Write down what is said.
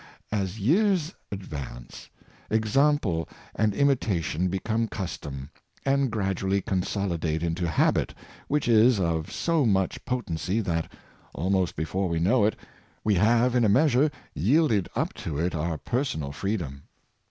As years advance, example and imitation become cus tom, and gradually consolidate into habit, which is of so much potency that, almost before we know it, we have in a measure yielded up to it our personal free dom.